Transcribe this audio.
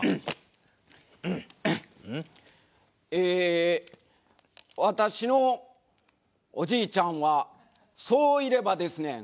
えー私のおじいちゃんは総入れ歯ですねん。